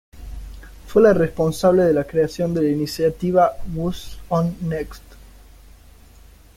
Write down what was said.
Fue la responsable de la creación de la iniciativa "Who's On Next?